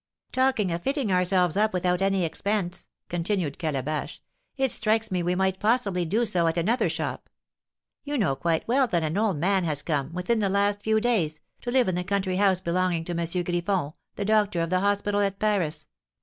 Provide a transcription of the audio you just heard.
"Talking of fitting ourselves up without any expense," continued Calabash, "it strikes me we might possibly do so at another shop. You know quite well that an old man has come, within the last few days, to live in the country house belonging to M. Griffon, the doctor of the hospital at Paris.